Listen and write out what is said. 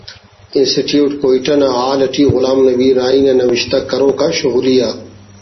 انسٹی ٹیوٹ کوئٹہ نا ہال اٹی غلام نبی راہی نا نوشتہ کروک آ شغلی آ